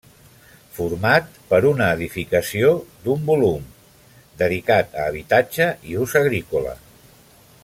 Format per una edificació d'un volum dedicat a habitatge i ús agrícola.